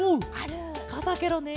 かさケロねえ。